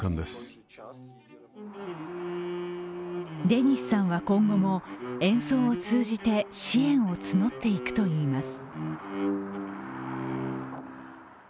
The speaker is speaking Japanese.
デニスさんは今後も演奏を通じて支援を募っていくといいます。